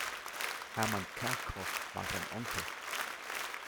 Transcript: Hermann Kerckhoff war sein Onkel.